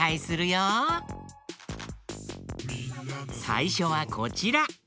さいしょはこちら！